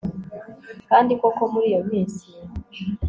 kandi koko muri iyo minsi